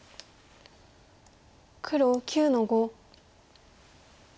黒９の五。